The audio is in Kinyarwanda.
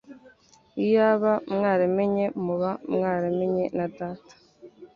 Iyaba mwaramenye muba mwaramenye na Data.".